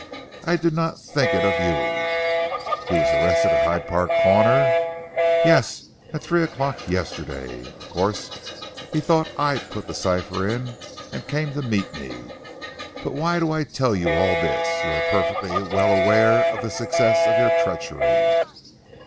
I did not think it of you." "He was arrested at Hyde Park Corner?" "Yes. At three o'clock yesterday. Of course he thought that I put the cipher in and came to meet me. But why do I tell you all this. You are perfectly well aware of the success of your treachery."